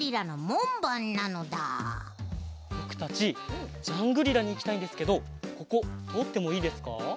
ぼくたちジャングリラにいきたいんですけどこことおってもいいですか？